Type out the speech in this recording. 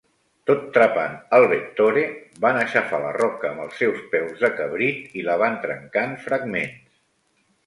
Tot trepant el Vettore, van aixafar la roca amb els seus peus de cabrit i la van trencar en fragments.